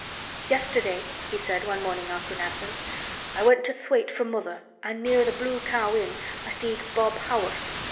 "Yesterday," he said one morning after an absence, "I went to Thwaite for mother an' near th' Blue Cow Inn I seed Bob Haworth.